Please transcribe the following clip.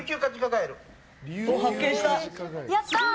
やったー！